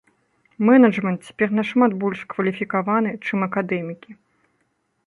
Менеджмент цяпер нашмат больш кваліфікаваны, чым акадэмікі.